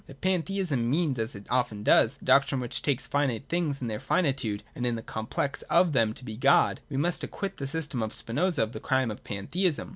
If Pantheism means, as it often does, the doctrine which takes finite things in their finitude and in the complex of them to be God, we must acquit the system of Spinoza of the crime of Pan theism.